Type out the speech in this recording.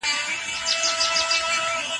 پاک دسترخوان وغوړوئ.